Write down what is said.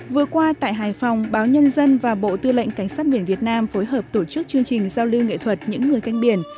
vừa qua tại hải phòng báo nhân dân và bộ tư lệnh cảnh sát biển việt nam phối hợp tổ chức chương trình giao lưu nghệ thuật những người canh biển